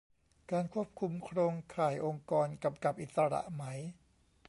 การควบคุมโครงข่าย องค์กรกำกับอิสระไหม